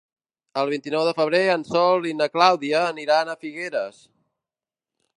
El vint-i-nou de febrer en Sol i na Clàudia aniran a Figueres.